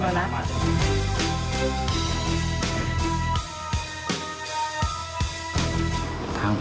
สวัสดีครับ